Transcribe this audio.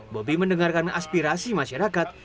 bobby mendengarkan aspirasi masyarakat